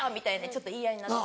ちょっと言い合いになって。